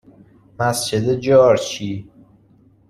مسجد جارچی